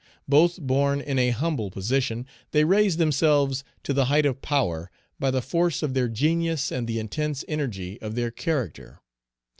Both born in a humble position, they raised themselves to the height of power by the force of their genius and the intense energy of their character.